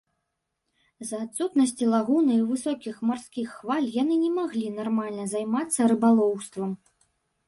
З-за адсутнасці лагуны і высокіх марскіх хваль яны не маглі нармальна займацца рыбалоўствам.